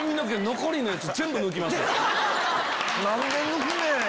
何で抜くねん。